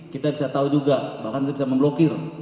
kita bisa tahu juga bahkan kita bisa memblokir